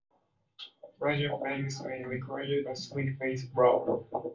Larger frames may require a three phase blower.